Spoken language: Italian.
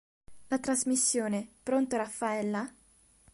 La trasmissione "Pronto, Raffaella?